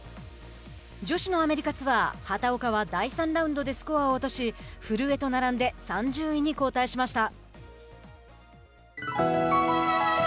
女子のアメリカツアー畑岡は第３ラウンドでスコアを落とし、古江と並んで３０位に後退しました。